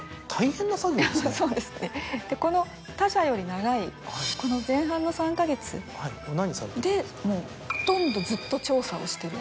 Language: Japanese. そうですねでこの他社より長いこの前半の３か月でほとんどずっと調査をしているんです。